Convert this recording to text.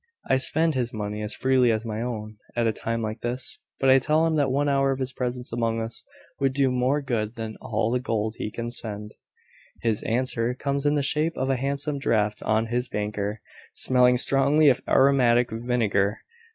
I spend his money as freely as my own at a time like this; but I tell him that one hour of his presence among us would do more good than all the gold he can send. His answer comes in the shape of a handsome draft on his banker, smelling strongly of aromatic vinegar.